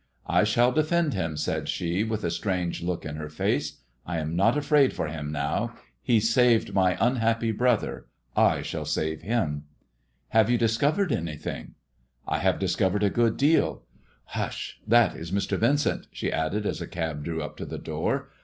^* I shall defend him/' said she, with a strange look in her face; '^I am not afraid for him now. He saved mj unhappy brother. I shall save him." " Have you discovered anything ]"'' I have discovered a good deal. Hush I * That is Mr. Vincent," she added, as a cab drew up to the door.